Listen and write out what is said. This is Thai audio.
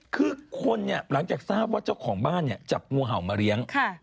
คือคนหลังจากทราบว่าเจ้าของบ้านจับงวเห่ามาเลี้ยง